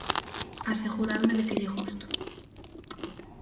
asegurarme de que lle gusto.